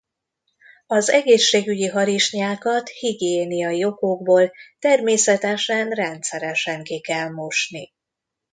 Az egészségügyi harisnyákat higiéniai okokból természetesen rendszeresen ki kell mosni.